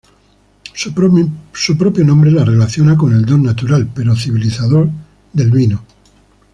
Su propio nombre la relaciona con el don natural pero civilizador del vino.